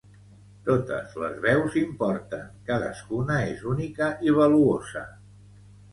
Totes les veus importen, cadascuna és única i valuosa